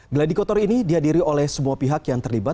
gladikotor ini dihadiri oleh semua pihak yang terlibat